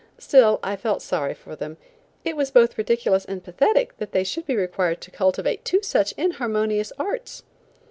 still I felt sorry for them; it was both ridiculous and pathetic that they should be required to cultivate two such inharmonious arts!